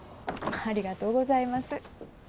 ありがとうございます。